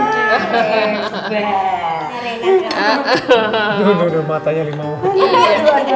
duh duh duh matanya limau